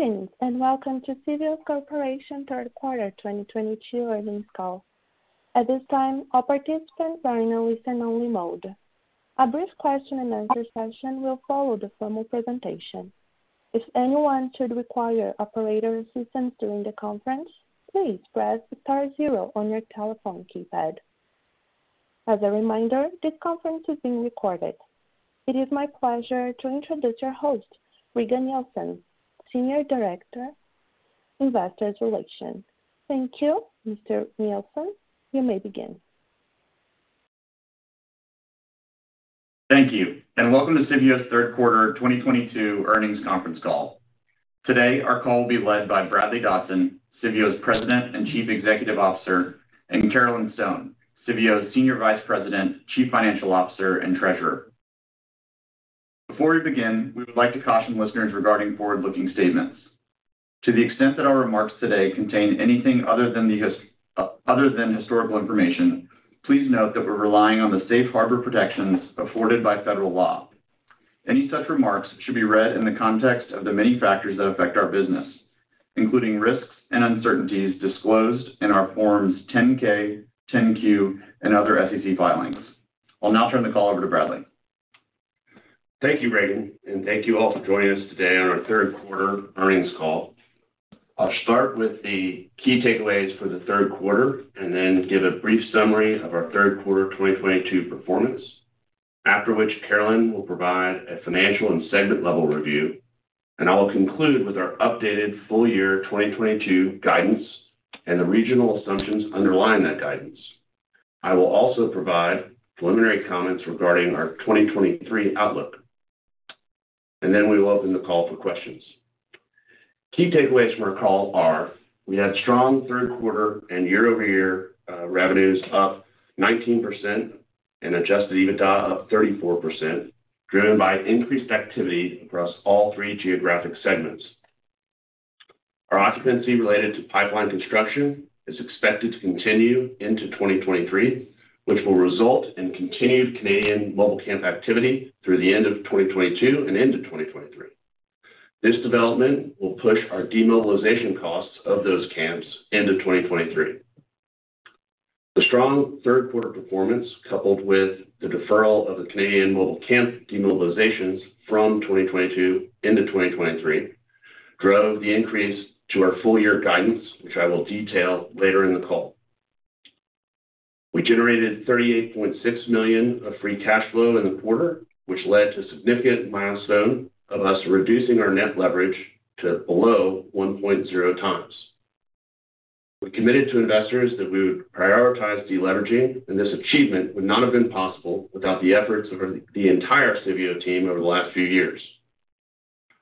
Greetings, and welcome to Civeo Corporation Third Quarter 2022 Earnings Call. At this time, all participants are in a listen-only mode. A brief question and answer session will follow the formal presentation. If anyone should require operator assistance during the conference, please press star zero on your telephone keypad. As a reminder, this conference is being recorded. It is my pleasure to introduce your host, Regan Nielsen, Senior Director, Investor Relations. Thank you. Mr. Nielsen, you may begin. Thank you, and welcome to Civeo's third quarter 2022 earnings conference call. Today, our call will be led by Bradley Dodson, Civeo's President and Chief Executive Officer, and Carolyn Stone, Civeo's Senior Vice President, Chief Financial Officer, and Treasurer. Before we begin, we would like to caution listeners regarding forward-looking statements. To the extent that our remarks today contain anything other than historical information, please note that we're relying on the safe harbor protections afforded by federal law. Any such remarks should be read in the context of the many factors that affect our business, including risks and uncertainties disclosed in our Form 10-K, Form 10-Q, and other SEC filings. I'll now turn the call over to Bradley. Thank you, Regan, and thank you all for joining us today on our third quarter earnings call. I'll start with the key takeaways for the third quarter and then give a brief summary of our third quarter 2022 performance. After which, Carolyn will provide a financial and segment level review, and I will conclude with our updated full year 2022 guidance and the regional assumptions underlying that guidance. I will also provide preliminary comments regarding our 2023 outlook, and then we will open the call for questions. Key takeaways from our call are. We had strong third quarter and year-over-year revenues up 19% and adjusted EBITDA up 34%, driven by increased activity across all three geographic segments. Our occupancy related to pipeline construction is expected to continue into 2023, which will result in continued Canadian mobile camp activity through the end of 2022 and into 2023. This development will push our demobilization costs of those camps into 2023. The strong third quarter performance, coupled with the deferral of the Canadian mobile camp demobilizations from 2022 into 2023, drove the increase to our full year guidance, which I will detail later in the call. We generated $38.6 million of free cash flow in the quarter, which led to significant milestone of us reducing our net leverage to below 1.0x. We committed to investors that we would prioritize deleveraging, and this achievement would not have been possible without the efforts of the entire Civeo team over the last few years.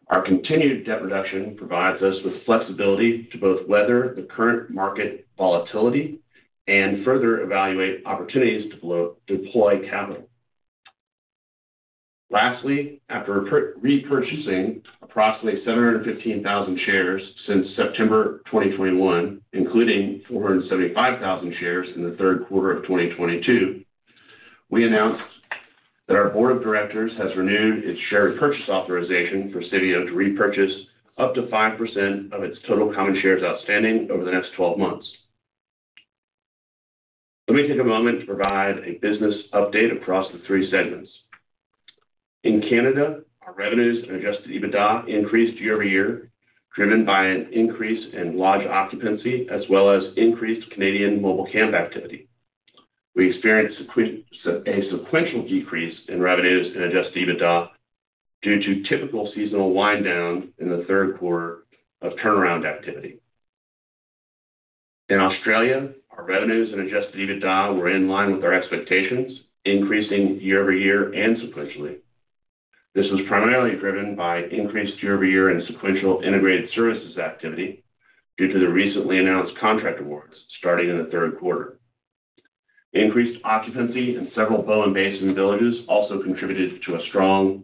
Our continued debt reduction provides us with flexibility to both weather the current market volatility and further evaluate opportunities to deploy capital. Lastly, after repurchasing approximately 715,000 shares since September 2021, including 475,000 shares in the third quarter of 2022, we announced that our board of directors has renewed its share purchase authorization for Civeo to repurchase up to 5% of its total common shares outstanding over the next 12 months. Let me take a moment to provide a business update across the three segments. In Canada, our revenues and adjusted EBITDA increased year-over-year, driven by an increase in lodge occupancy as well as increased Canadian mobile camp activity. We experienced a sequential decrease in revenues and adjusted EBITDA due to typical seasonal wind down in the third quarter of turnaround activity. In Australia, our revenues and adjusted EBITDA were in line with our expectations, increasing year-over-year and sequentially. This was primarily driven by increased year-over-year and sequential integrated services activity due to the recently announced contract awards starting in the third quarter. Increased occupancy in several Bowen Basin villages also contributed to a strong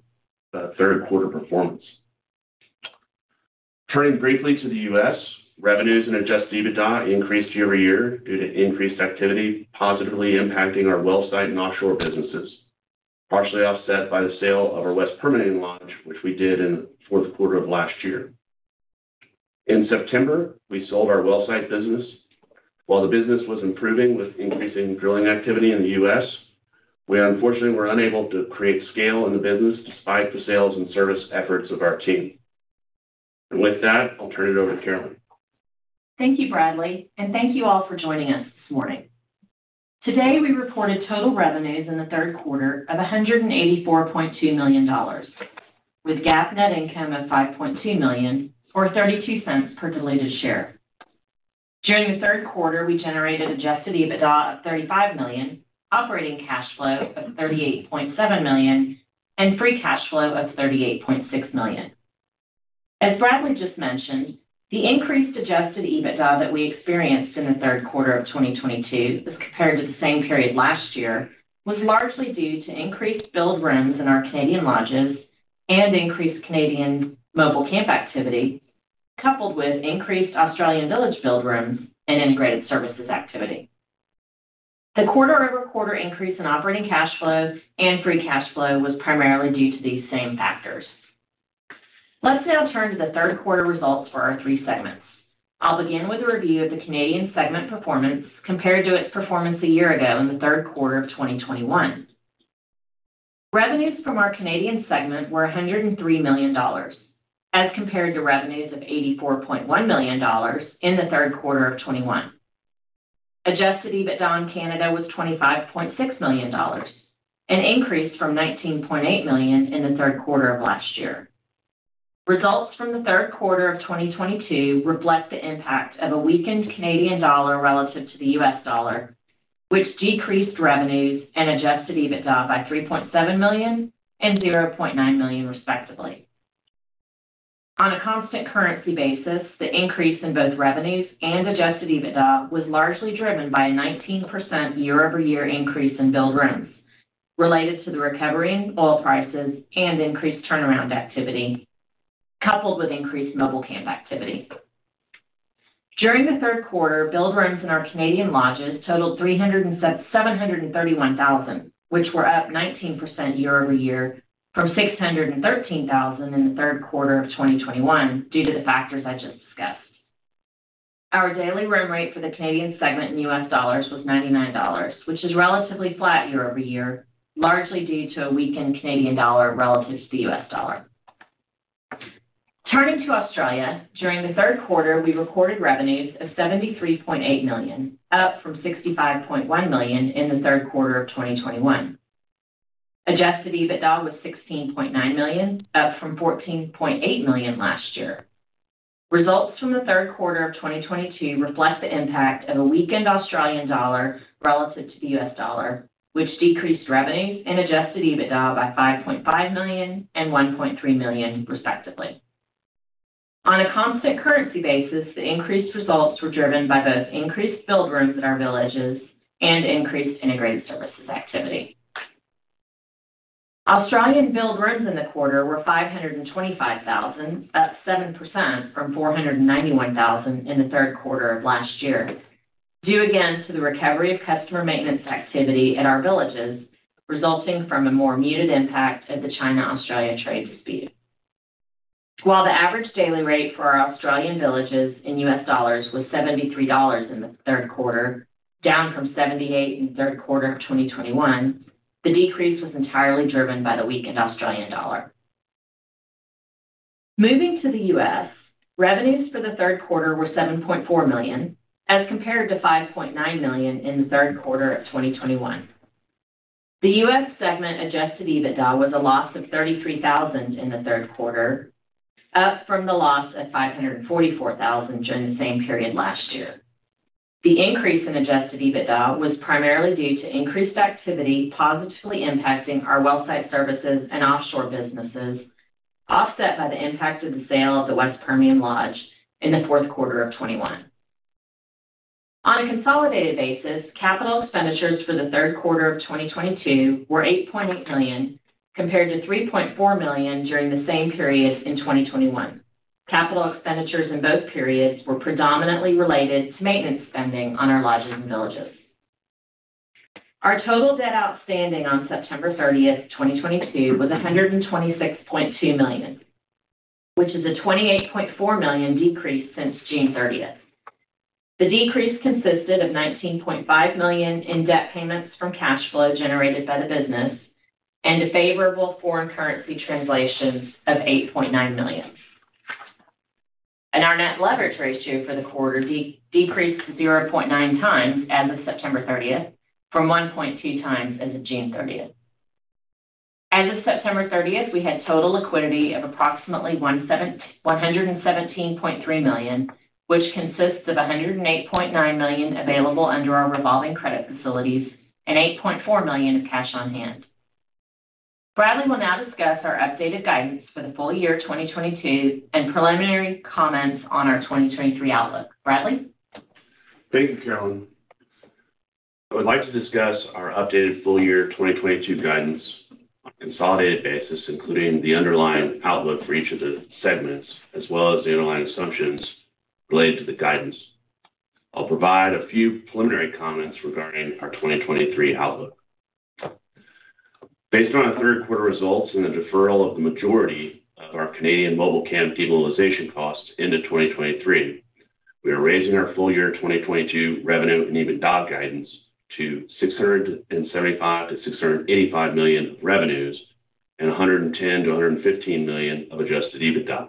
third quarter performance. Turning briefly to the U.S., revenues and adjusted EBITDA increased year-over-year due to increased activity, positively impacting our wellsite and offshore businesses, partially offset by the sale of our West Permian lodge, which we did in fourth quarter of last year. In September, we sold our wellsite business. While the business was improving with increasing drilling activity in the U.S., we unfortunately were unable to create scale in the business despite the sales and service efforts of our team. With that, I'll turn it over to Carolyn. Thank you, Bradley, and thank you all for joining us this morning. Today, we reported total revenues in the third quarter of $184.2 million, with GAAP net income of $5.2 million or $0.32 per diluted share. During the third quarter, we generated adjusted EBITDA of $35 million, operating cash flow of $38.7 million, and free cash flow of $38.6 million. As Bradley just mentioned, the increase to adjusted EBITDA that we experienced in the third quarter of 2022 as compared to the same period last year was largely due to increased billed rooms in our Canadian lodges and increased Canadian mobile camp activity, coupled with increased Australian village billed rooms and integrated services activity. The quarter-over-quarter increase in operating cash flow and free cash flow was primarily due to these same factors. Let's now turn to the third quarter results for our three segments. I'll begin with a review of the Canadian segment performance compared to its performance a year ago in the third quarter of 2021. Revenues from our Canadian segment were $103 million, as compared to revenues of $84.1 million in the third quarter of 2021. Adjusted EBITDA in Canada was $25.6 million, an increase from $19.8 million in the third quarter of last year. Results from the third quarter of 2022 reflect the impact of a weakened Canadian dollar relative to the US dollar, which decreased revenues and adjusted EBITDA by $3.7 million and $0.9 million, respectively. On a constant currency basis, the increase in both revenues and adjusted EBITDA was largely driven by a 19% year-over-year increase in billed rooms related to the recovery in oil prices and increased turnaround activity, coupled with increased mobile camp activity. During the third quarter, billed rooms in our Canadian lodges totaled 731,000, which were up 19% year-over-year from 613,000 in the third quarter of 2021 due to the factors I just discussed. Our daily room rate for the Canadian segment in US dollars was $99, which is relatively flat year-over-year, largely due to a weakened Canadian dollar relative to the US dollar. Turning to Australia, during the third quarter, we recorded revenues of $73.8 million, up from $65.1 million in the third quarter of 2021. Adjusted EBITDA was $16.9 million, up from $14.8 million last year. Results from the third quarter of 2022 reflect the impact of a weakened Australian dollar relative to the US dollar, which decreased revenues and adjusted EBITDA by $5.5 million and $1.3 million, respectively. On a constant currency basis, the increased results were driven by both increased billed rooms in our villages and increased integrated services activity. Australian billed rooms in the quarter were 525,000, up 7% from 491,000 in the third quarter of last year, due again to the recovery of customer maintenance activity in our villages resulting from a more muted impact of the China-Australia trade dispute. While the average daily rate for our Australian villages in US dollars was $73 in the third quarter, down from $78 in the third quarter of 2021, the decrease was entirely driven by the weakened Australian dollar. Moving to the U.S., revenues for the third quarter were $7.4 million, as compared to $5.9 million in the third quarter of 2021. The U.S. Segment adjusted EBITDA was a loss of $33,000 in the third quarter, up from the loss of $544,000 during the same period last year. The increase in adjusted EBITDA was primarily due to increased activity positively impacting our well site services and offshore businesses, offset by the impact of the sale of the West Permian Lodge in the fourth quarter of 2021. On a consolidated basis, capital expenditures for the third quarter of 2022 were $8.8 million, compared to $3.4 million during the same period in 2021. Capital expenditures in both periods were predominantly related to maintenance spending on our lodges and villages. Our total debt outstanding on September 30th, 2022 was $126.2 million, which is a $28.4 million decrease since June 30th. The decrease consisted of $19.5 million in debt payments from cash flow generated by the business and a favorable foreign currency translation of $8.9 million. Our net leverage ratio for the quarter decreased to 0.9x as of September 30th from 1.2x as of June 30th. As of September 30th, we had total liquidity of approximately $117.3 million, which consists of $108.9 million available under our revolving credit facilities and $8.4 million of cash on hand. Bradley will now discuss our updated guidance for the full year 2022 and preliminary comments on our 2023 outlook. Bradley? Thank you, Carolyn. I would like to discuss our updated full year 2022 guidance on a consolidated basis, including the underlying outlook for each of the segments, as well as the underlying assumptions related to the guidance. I'll provide a few preliminary comments regarding our 2023 outlook. Based on our third quarter results and the deferral of the majority of our Canadian mobile camp demobilization costs into 2023, we are raising our full year 2022 revenue and EBITDA guidance to $675-$685 million of revenues and $110-$115 million of adjusted EBITDA.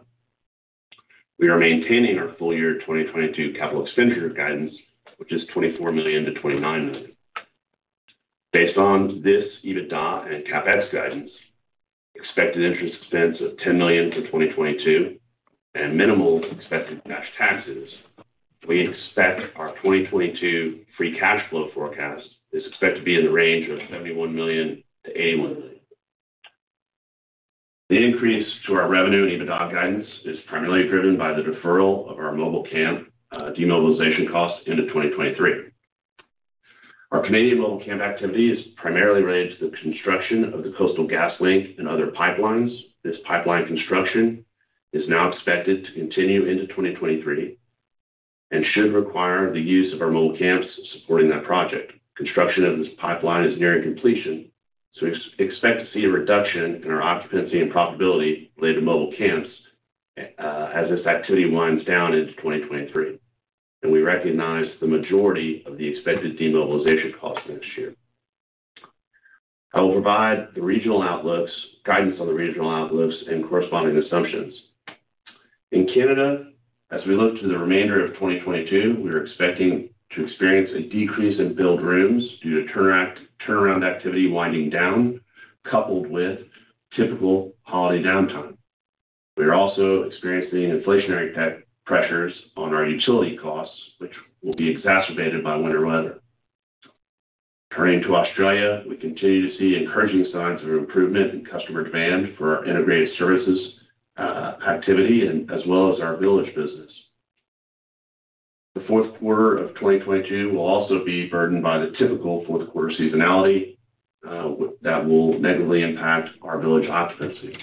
We are maintaining our full year 2022 capital expenditure guidance, which is $24-$29 million. Based on this EBITDA and CapEx guidance, expected interest expense of $10 million for 2022, and minimal expected cash taxes, we expect our 2022 free cash flow forecast is expected to be in the range of $71 million-$81 million. The increase to our revenue and EBITDA guidance is primarily driven by the deferral of our mobile camp demobilization costs into 2023. Our Canadian mobile camp activity is primarily related to the construction of the Coastal GasLink and other pipelines. This pipeline construction is now expected to continue into 2023 and should require the use of our mobile camps supporting that project. Construction of this pipeline is nearing completion, so expect to see a reduction in our occupancy and profitability related to mobile camps as this activity winds down into 2023. We recognize the majority of the expected demobilization costs next year. I will provide guidance on the regional outlooks and corresponding assumptions. In Canada, as we look to the remainder of 2022, we are expecting to experience a decrease in build rooms due to turnaround activity winding down, coupled with typical holiday downtime. We are also experiencing inflationary pressures on our utility costs, which will be exacerbated by winter weather. Turning to Australia, we continue to see encouraging signs of improvement in customer demand for our integrated services, activity and as well as our village business. The fourth quarter of 2022 will also be burdened by the typical fourth quarter seasonality, that will negatively impact our village occupancy.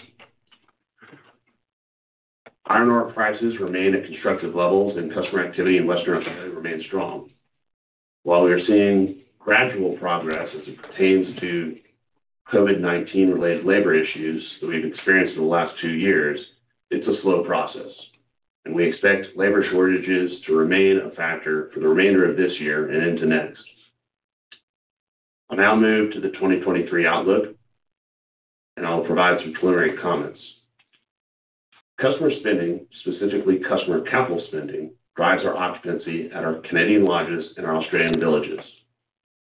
Iron ore prices remain at constructive levels and customer activity in Western Australia remains strong. While we are seeing gradual progress as it pertains to COVID-19 related labor issues that we've experienced in the last two years, it's a slow process, and we expect labor shortages to remain a factor for the remainder of this year and into next. I'll now move to the 2023 outlook, and I'll provide some preliminary comments. Customer spending, specifically customer capital spending, drives our occupancy at our Canadian lodges and our Australian villages.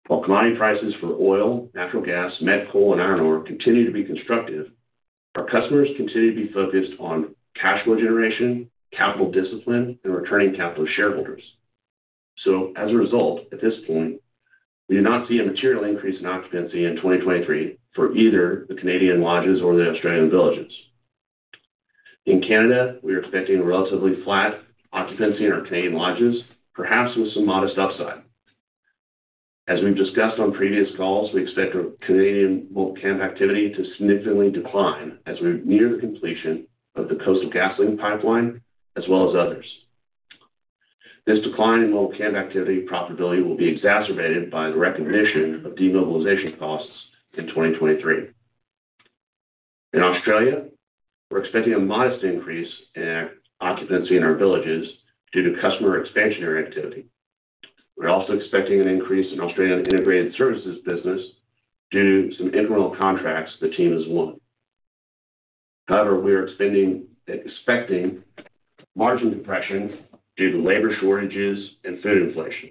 While commodity prices for oil, natural gas, met coal, and iron ore continue to be constructive, our customers continue to be focused on cash flow generation, capital discipline, and returning capital to shareholders. As a result, at this point, we do not see a material increase in occupancy in 2023 for either the Canadian lodges or the Australian villages. In Canada, we are expecting a relatively flat occupancy in our Canadian lodges, perhaps with some modest upside. As we've discussed on previous calls, we expect our Canadian mobile camp activity to significantly decline as we near the completion of the Coastal GasLink pipeline as well as others. This decline in mobile camp activity profitability will be exacerbated by the recognition of demobilization costs in 2023. In Australia, we're expecting a modest increase in our occupancy in our villages due to customer expansionary activity. We're also expecting an increase in Australian integrated services business due to some internal contracts the team has won. However, we are expecting margin compression due to labor shortages and food inflation.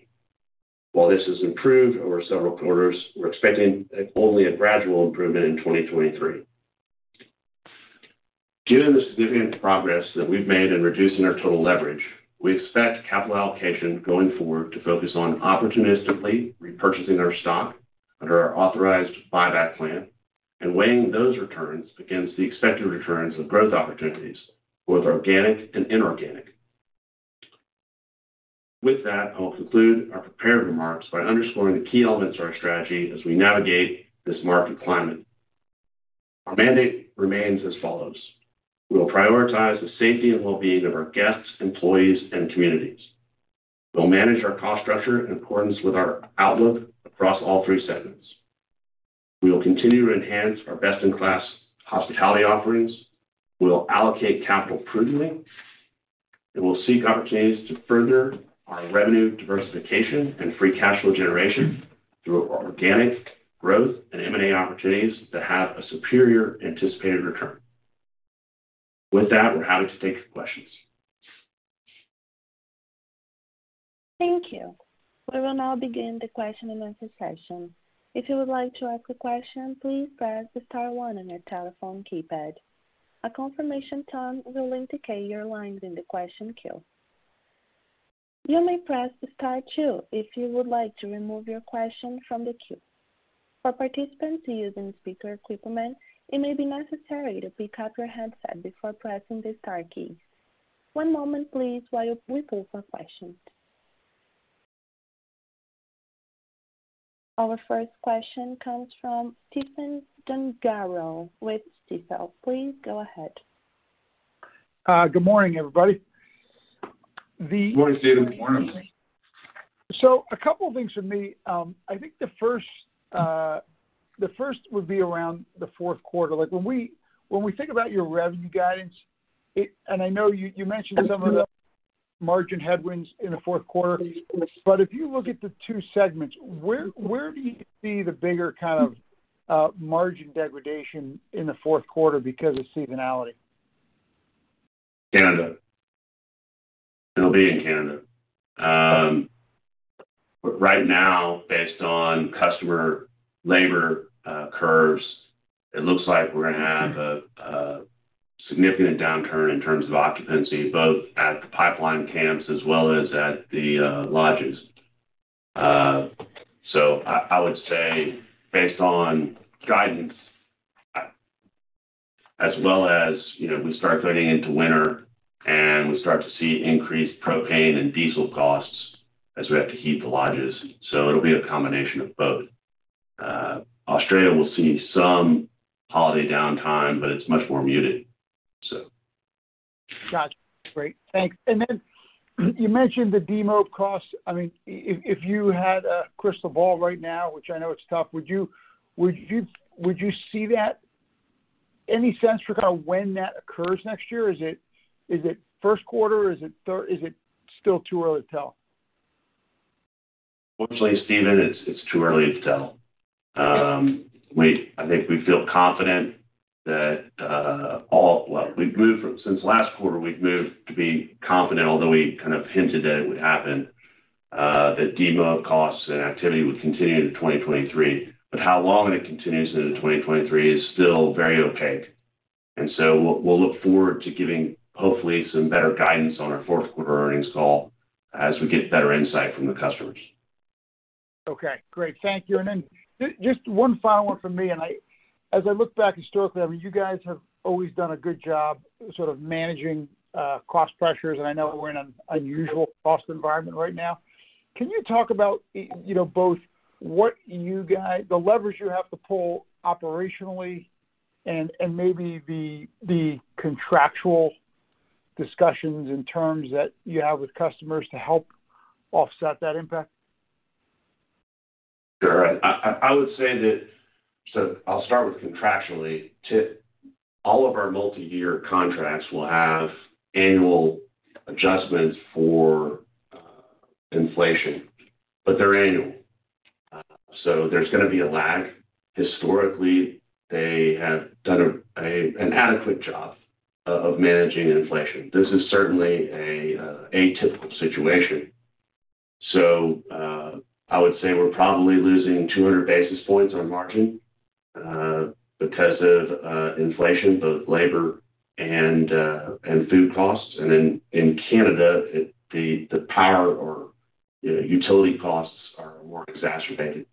While this has improved over several quarters, we're expecting only a gradual improvement in 2023. Given the significant progress that we've made in reducing our total leverage, we expect capital allocation going forward to focus on opportunistically repurchasing our stock under our authorized buyback plan and weighing those returns against the expected returns of growth opportunities, both organic and inorganic. With that, I'll conclude our prepared remarks by underscoring the key elements of our strategy as we navigate this market climate. Our mandate remains as follows. We will prioritize the safety and wellbeing of our guests, employees, and communities. We'll manage our cost structure in accordance with our outlook across all three segments. We will continue to enhance our best-in-class hospitality offerings. We will allocate capital prudently. We'll seek opportunities to further our revenue diversification and free cash flow generation through organic growth and M&A opportunities that have a superior anticipated return. With that, we're happy to take some questions. Thank you. We will now begin the question-and-answer session. If you would like to ask a question, please press the star one on your telephone keypad. A confirmation tone will indicate your line is in the question queue. You may press star two if you would like to remove your question from the queue. For participants using speaker equipment, it may be necessary to pick up your handset before pressing the star key. One moment please while we wait for questions. Our first question comes from Stephen Gengaro with Stifel. Please go ahead. Good morning, everybody. Good morning, Steve. Good morning. A couple things from me. I think the first would be around the fourth quarter. Like, when we think about your revenue guidance, and I know you mentioned some of the margin headwinds in the fourth quarter, but if you look at the two segments, where do you see the bigger kind of margin degradation in the fourth quarter because of seasonality? Canada. It'll be in Canada. Right now, based on customer labor curves, it looks like we're gonna have a significant downturn in terms of occupancy, both at the pipeline camps as well as at the lodges. I would say based on guidance, as well as, you know, we start getting into winter and we start to see increased propane and diesel costs as we have to heat the lodges. It'll be a combination of both. Australia will see some holiday downtime, but it's much more muted. Got you. Great. Thanks. You mentioned the demo costs. I mean, if you had a crystal ball right now, which I know it's tough, would you see that? Any sense for kind of when that occurs next year? Is it first quarter? Is it third? Is it still too early to tell? Unfortunately, Stephen, it's too early to tell. I think we feel confident that since last quarter, we've moved to be confident, although we kind of hinted that it would happen, that demo costs and activity would continue to 2023, but how long it continues into 2023 is still very opaque. We'll look forward to giving hopefully some better guidance on our fourth quarter earnings call as we get better insight from the customers. Okay. Great. Thank you. Just one final one from me, as I look back historically, I mean, you guys have always done a good job sort of managing cost pressures, and I know we're in an unusual cost environment right now. Can you talk about, you know, both what you guys, the levers you have to pull operationally and maybe the contractual discussions and terms that you have with customers to help offset that impact? Sure. I would say that. I'll start with contractually. All of our multi-year contracts will have annual adjustments for inflation, but they're annual, so there's gonna be a lag. Historically, they have done an adequate job of managing inflation. This is certainly an atypical situation. I would say we're probably losing 200 basis points on margin because of inflation, both labor and food costs. In Canada, the power or, you know, utility costs are more exacerbated.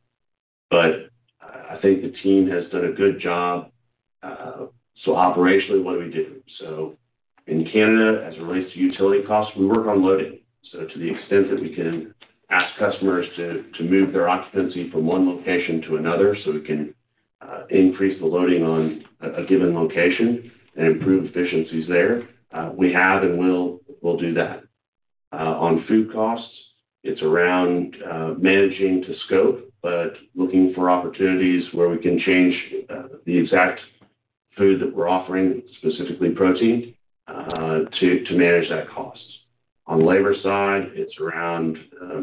I think the team has done a good job. Operationally, what do we do? In Canada, as it relates to utility costs, we work on loading. To the extent that we can ask customers to move their occupancy from one location to another, so we can increase the loading on a given location and improve efficiencies there, we have and will do that. On food costs, it's around managing to scope, but looking for opportunities where we can change the exact food that we're offering, specifically protein, to manage that cost. On labor side, it's around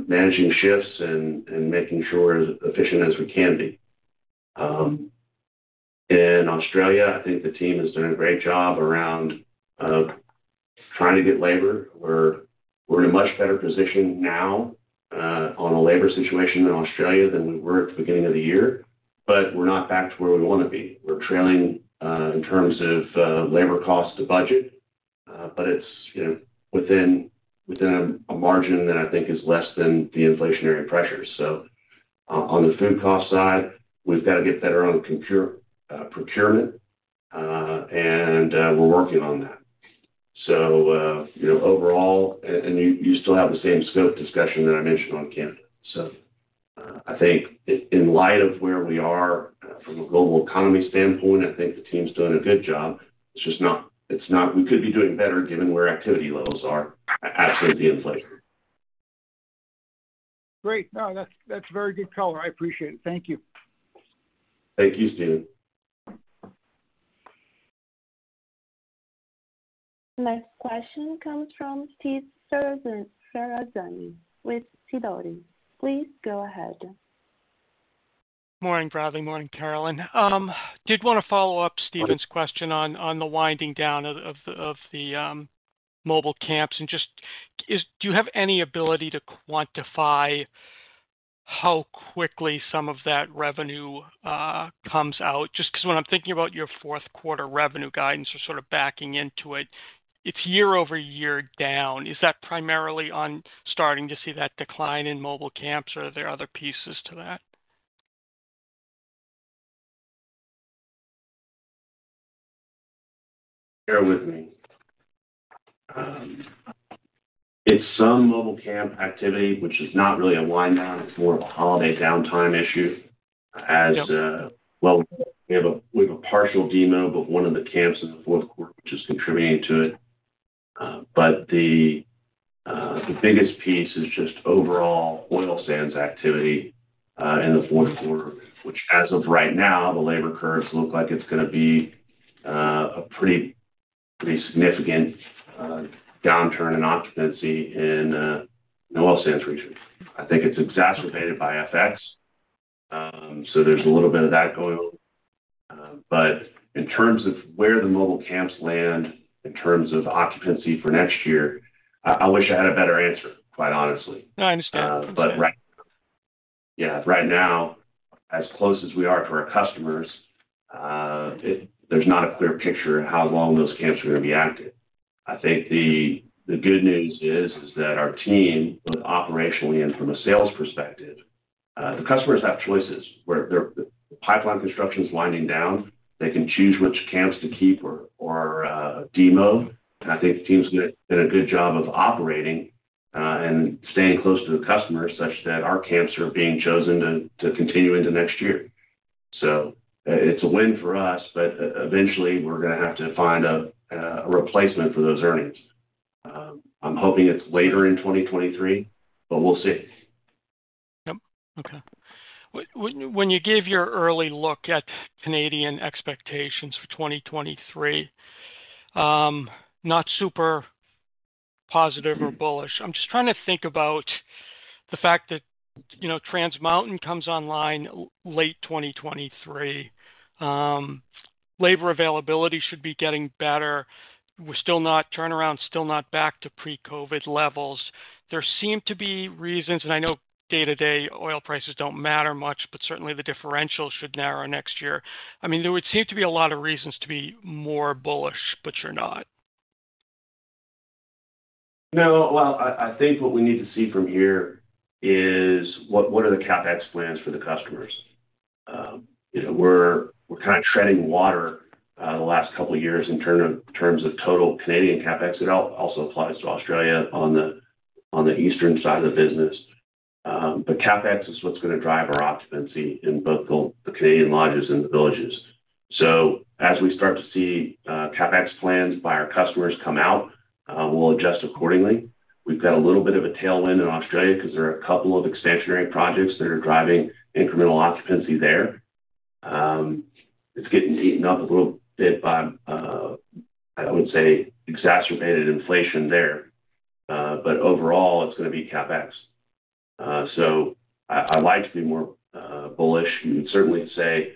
managing shifts and making sure as efficient as we can be. In Australia, I think the team has done a great job around trying to get labor. We're in a much better position now on the labor situation in Australia than we were at the beginning of the year, but we're not back to where we wanna be. We're trailing in terms of labor cost to budget, but it's, you know, within a margin that I think is less than the inflationary pressures. On the food cost side, we've got to get better on procurement, and we're working on that. You know, overall, you still have the same scope discussion that I mentioned on Canada. I think in light of where we are from a global economy standpoint, I think the team's doing a good job. It's just not. We could be doing better given where activity levels are absolutely inflation. Great. No, that's very good color. I appreciate it. Thank you. Thank you, Stephen. Next question comes from Steve Ferazani with Sidoti. Please go ahead. Morning, Bradley. Morning, Carolyn. Did want to follow up. Morning. Stephen's question on the winding down of the mobile camps. Just, do you have any ability to quantify how quickly some of that revenue comes out? Just because when I'm thinking about your fourth quarter revenue guidance or sort of backing into it's year-over-year down. Is that primarily on starting to see that decline in mobile camps, or are there other pieces to that? Bear with me. It's some mobile camp activity which is not really a wind down. It's more of a holiday downtime issue as. Yep. We have a partial demo, but one of the camps in the fourth quarter, which is contributing to it. The biggest piece is just overall oil sands activity in the fourth quarter, which as of right now, the labor curves look like it's gonna be a pretty significant downturn in occupancy in the oil sands region. I think it's exacerbated by FX, so there's a little bit of that going on. In terms of where the mobile camps land in terms of occupancy for next year, I wish I had a better answer, quite honestly. No, I understand. But right. I understand. Yeah. Right now, as close as we are to our customers, there's not a clear picture how long those camps are gonna be active. I think the good news is that our team, both operationally and from a sales perspective, the customers have choices, where the pipeline construction is winding down. They can choose which camps to keep or demo. I think the team's done a good job of operating and staying close to the customers such that our camps are being chosen to continue into next year. It's a win for us, but eventually we're gonna have to find a replacement for those earnings. I'm hoping it's later in 2023, but we'll see. Yep. Okay. When you gave your early look at Canadian expectations for 2023, not super positive or bullish. I'm just trying to think about the fact that, you know, Trans Mountain comes online late 2023. Labor availability should be getting better. Turnaround's still not back to pre-COVID levels. There seem to be reasons, and I know day-to-day oil prices don't matter much, but certainly the differential should narrow next year. I mean, there would seem to be a lot of reasons to be more bullish, but you're not. No. Well, I think what we need to see from here is what are the CapEx plans for the customers? You know, we're kind of treading water the last couple of years in terms of total Canadian CapEx. It also applies to Australia on the eastern side of the business. CapEx is what's gonna drive our occupancy in both the Canadian lodges and the villages. As we start to see CapEx plans by our customers come out, we'll adjust accordingly. We've got a little bit of a tailwind in Australia because there are a couple of extensionary projects that are driving incremental occupancy there. It's getting eaten up a little bit by I would say exacerbated inflation there. Overall, it's gonna be CapEx. I'd like to be more bullish. You would certainly say,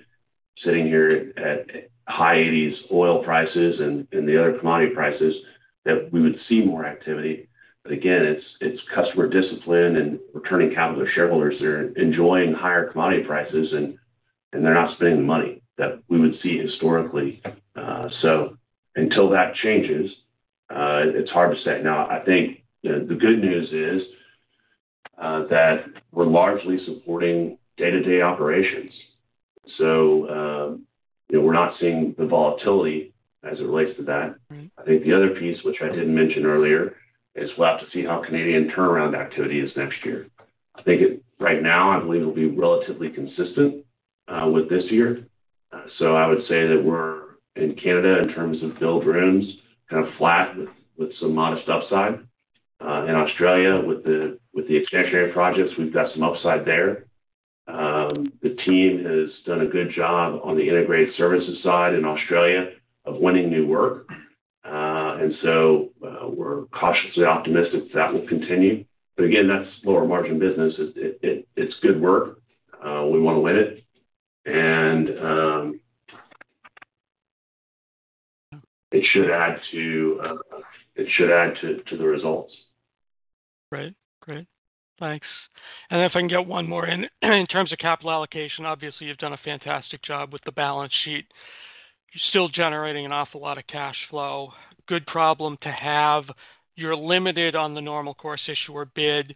sitting here at high $80s oil prices and the other commodity prices, that we would see more activity. It's customer discipline and returning capital to shareholders. They're enjoying higher commodity prices and they're not spending the money that we would see historically. Until that changes, it's hard to say. Now, I think the good news is that we're largely supporting day-to-day operations, you know, we're not seeing the volatility as it relates to that. Right. I think the other piece, which I didn't mention earlier, is we'll have to see how Canadian turnaround activity is next year. Right now, I believe it'll be relatively consistent with this year. So, I would say that we're in Canada, in terms of filled rooms, kind of flat with some modest upside. In Australia, with the extension projects, we've got some upside there. The team has done a good job on the integrated services side in Australia of winning new work. We're cautiously optimistic that will continue. Again, that's lower margin business. It's good work. We wanna win it. It should add to the results. Great. Thanks. If I can get one more in. In terms of capital allocation, obviously you've done a fantastic job with the balance sheet. You're still generating an awful lot of cash flow. Good problem to have. You're limited on the normal course issuer bid.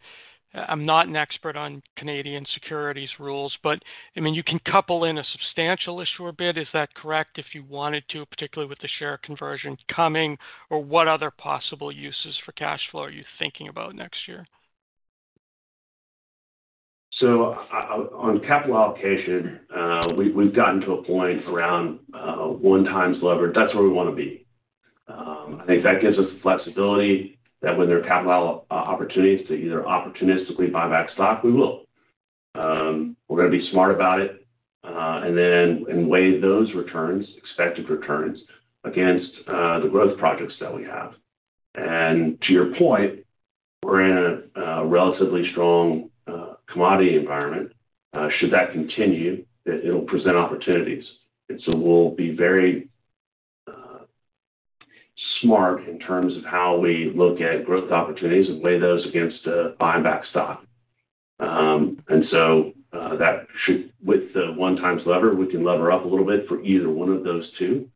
I'm not an expert on Canadian securities rules, but I mean, you can couple in a substantial issuer bid, is that correct, if you wanted to, particularly with the share conversion coming? Or what other possible uses for cash flow are you thinking about next year? On capital allocation, we've gotten to a point around one times leverage. That's where we wanna be. I think that gives us the flexibility that when there are capital opportunities to either opportunistically buy back stock, we will. We're gonna be smart about it and weigh those returns, expected returns, against the growth projects that we have. To your point, we're in a relatively strong commodity environment. Should that continue, it'll present opportunities. We'll be very smart in terms of how we look at growth opportunities and weigh those against buying back stock. That should. With the 1x leverage, we can lever up a little bit for either one of those two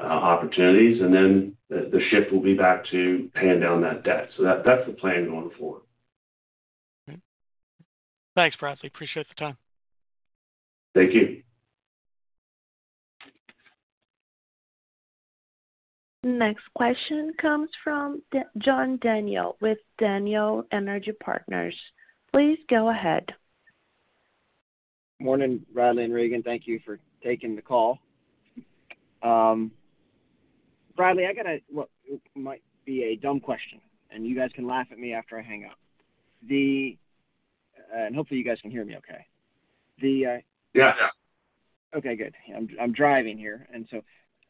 opportunities, and then the shift will be back to paying down that debt. That's the plan going forward. All right. Thanks, Bradley. Appreciate the time. Thank you. Next question comes from John Daniel with Daniel Energy Partners. Please go ahead. Morning, Bradley and Regan. Thank you for taking the call. Bradley, I got a what might be a dumb question, and you guys can laugh at me after I hang up. Hopefully you guys can hear me okay. Yes. Okay, good. I'm driving here, and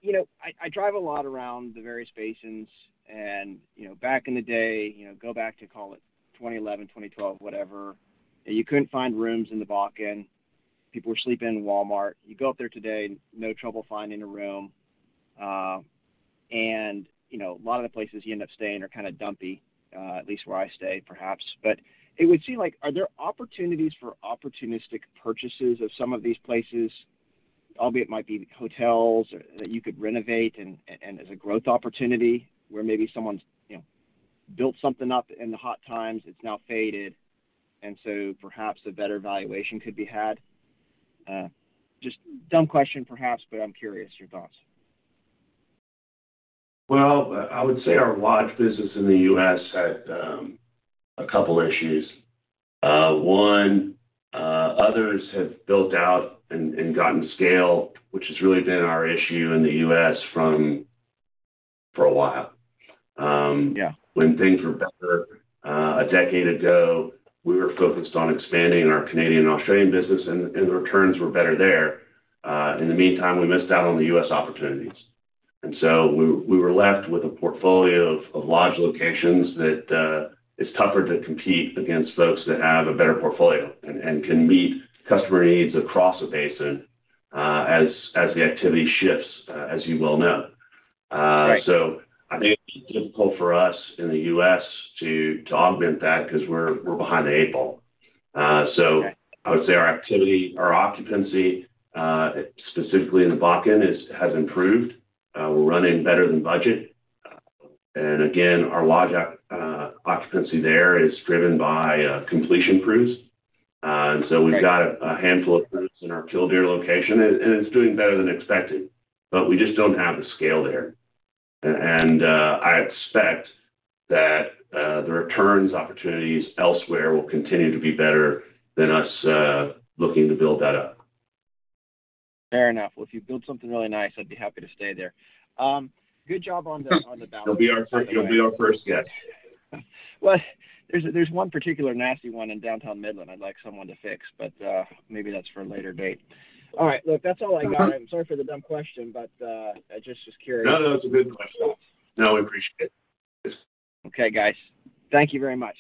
so, you know, I drive a lot around the various basins and, you know, back in the day, you know, go back to, call it, 2011, 2012, whatever, you couldn't find rooms in the Bakken. People were sleeping in Walmart. You go up there today, no trouble finding a room. And, you know, a lot of the places you end up staying are kind of dumpy, at least where I stay, perhaps. But it would seem like, are there opportunities for opportunistic purchases of some of these places, albeit might be hotels or that you could renovate and as a growth opportunity where maybe someone's, you know, built something up in the hot times, it's now faded, and so perhaps a better valuation could be had? Just dumb question perhaps, but I'm curious your thoughts. Well, I would say our lodge business in the U.S. had a couple issues. One, others have built out and gotten scale, which has really been our issue in the U.S. for a while. Yeah. When things were better, a decade ago, we were focused on expanding our Canadian and Australian business and the returns were better there. In the meantime, we missed out on the U.S. opportunities. We were left with a portfolio of lodge locations that is tougher to compete against folks that have a better portfolio and can meet customer needs across a basin, as the activity shifts, as you well know. Right. I think it's difficult for us in the U.S. to augment that because we're behind the eight ball. I would say our activity, our occupancy, specifically in the Bakken has improved. We're running better than budget. Again, our lodge occupancy there is driven by completion crews. We've got a handful of crews in our Killdeer location and it's doing better than expected, but we just don't have the scale there. And I expect that the returns opportunities elsewhere will continue to be better than us looking to build that up. Fair enough. Well, if you build something really nice, I'd be happy to stay there. Good job on the balance sheet. You'll be our first guest. Well, there's one particular nasty one in downtown Midland I'd like someone to fix, but maybe that's for a later date. All right, look, that's all I got. Mm-hmm. I'm sorry for the dumb question, but I just was curious. No, no, it's a good question. No, I appreciate it. Okay, guys. Thank you very much.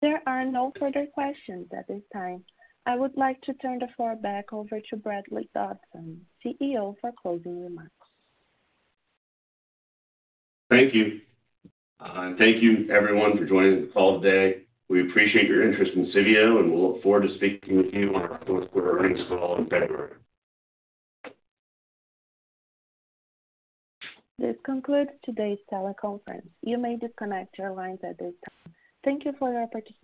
There are no further questions at this time. I would like to turn the floor back over to Bradley Dodson, CEO, for closing remarks. Thank you. Thank you everyone for joining the call today. We appreciate your interest in Civeo, and we'll look forward to speaking with you on our fourth quarter earnings call in February. This concludes today's teleconference. You may disconnect your lines at this time. Thank you for your participation.